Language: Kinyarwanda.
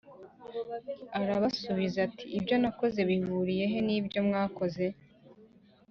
Arabasubiza ati ibyo nakoze bihuriye he n ibyo mwakoze